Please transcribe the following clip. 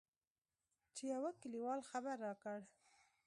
چې يوه کليوال خبر راکړ.